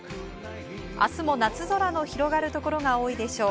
明日も夏空の広がるところが多いでしょう。